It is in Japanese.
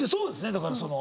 だからその。